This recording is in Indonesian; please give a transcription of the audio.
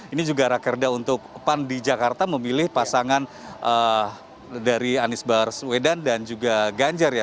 ini juga rakerda untuk pan di jakarta memilih pasangan dari anies baswedan dan juga ganjar ya